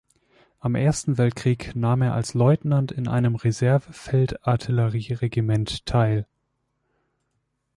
Am Ersten Weltkrieg nahm er als Leutnant in einem Reserve-Feldartillerie-Regiment teil.